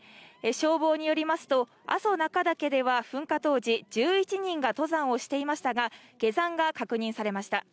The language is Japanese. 消防によりますと、阿蘇中岳では噴火当時、１１人が登山をしていましたが、下山が確認されました。